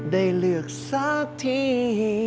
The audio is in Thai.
ได้เลือกสักที